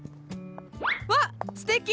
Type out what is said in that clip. わっすてき！